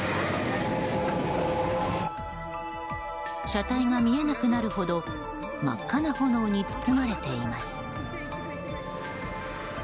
車体が見えなくなるほど真っ赤な炎に包まれています。